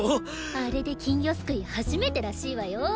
あれで金魚すくい初めてらしいわよ。